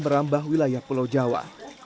merambah wilayah pulau jawa